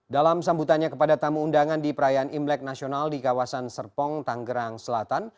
dalam sambutannya kepada tamu undangan di perayaan imlek nasional di kawasan serpong tanggerang selatan